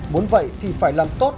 muốn vậy thì phải làm tốt